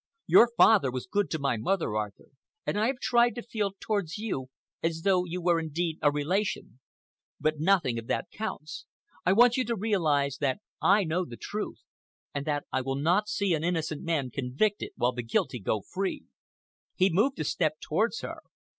Your father was good to my mother, Arthur, and I have tried to feel towards you as though you were indeed a relation. But nothing of that counts. I want you to realize that I know the truth, and that I will not see an innocent man convicted while the guilty go free." He moved a step towards her.